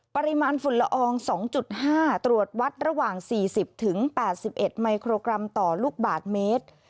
ปริมาณฝุ่นละออง๒๕ตรวจวัดระหว่าง๔๐๘๑มิโครกรัมต่อลูกบาทเมตร